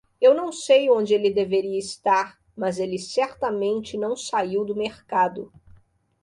Eu não sei onde ele deveria estar, mas ele certamente não saiu do mercado.